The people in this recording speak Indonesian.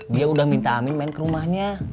dia udah minta amin main ke rumahnya